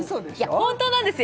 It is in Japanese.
本当なんですよ